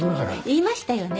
言いましたよね？